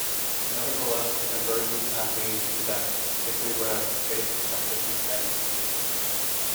Nevertheless, the conversions cannot be exact, particularly where these spaces have different gamuts.